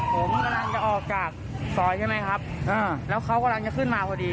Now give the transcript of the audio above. ผมกำลังจะออกจากซอยใช่ไหมครับอ่าแล้วเขากำลังจะขึ้นมาพอดี